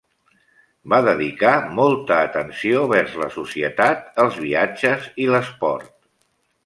Va dedicar molta atenció vers la societat, els viatges i l'esport.